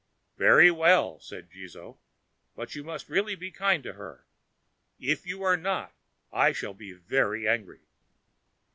"Very well," said Jizō, "but you must really be kind to her. If you are not, I shall be very angry."